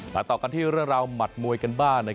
ต่อกันที่เรื่องราวหมัดมวยกันบ้าง